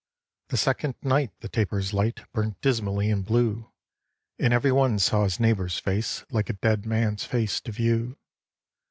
The second night the tapers' light Burnt dismally and blue, And every one saw his neighbour's face Like a dead man's face to view.